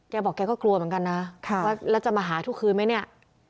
บอกแกก็กลัวเหมือนกันนะว่าแล้วจะมาหาทุกคืนไหมเนี่ย